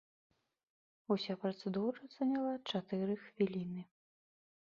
Уся працэдура заняла чатыры хвіліны.